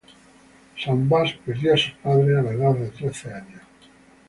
Sam Bass perdió a sus padres a la edad de trece años.